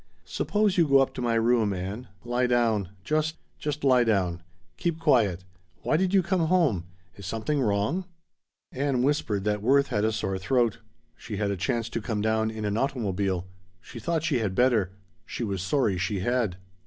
"Suppose you go up to my room, Ann. Lie down. Just just lie down. Keep quiet. Why did you come home? Is something wrong?" Ann whispered that Worth had a sore throat. She had a chance to come down in an automobile. She thought she had better. She was sorry she had.